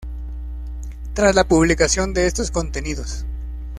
tras la publicación de estos contenidos